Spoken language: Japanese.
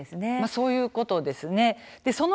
そういうことですね。